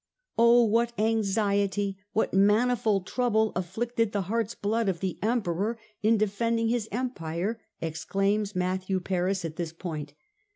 " Oh ! what anxiety, what manifold trouble afflicted the heart's blood of the Emperor in defending his Empire !" exclaims Matthew Paris at this point.